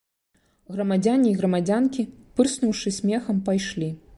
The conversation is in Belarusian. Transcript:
Грамадзяне й грамадзянкі, пырснуўшы смехам, пайшлі.